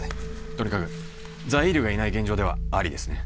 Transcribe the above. とにかくザイールがいない現状ではアリですね